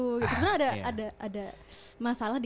sebenarnya ada masalah di internal kan